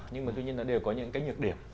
nhưng mà tuy nhiên nó đều có những cái nhược điểm